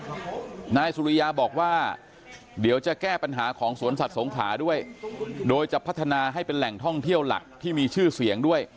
นายสุริยาบอกว่าเดี๋ยวจะแก้ปัญหาของสวนสัตว์สงขลาด้วยโดยจะพัฒนาให้เป็นแหล่งท่องเที่ยวหลักที่มีชื่อเสียงด้วย